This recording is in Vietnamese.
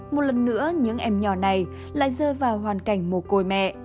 một lần nữa những em nhỏ này lại rơi vào hoàn cảnh mồ côi mẹ